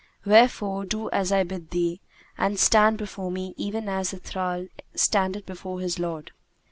Wherefore, do as I bid thee, and stand before me even as the thrall standeth before his lord."